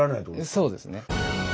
そうですね。